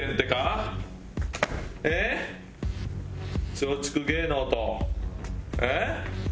松竹芸能とええ？